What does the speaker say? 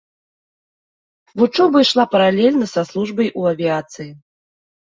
Вучоба ішла паралельна са службай у авіяцыі.